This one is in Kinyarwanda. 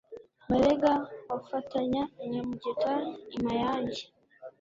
Mabega wafatanya Nyamugeta i Mayange,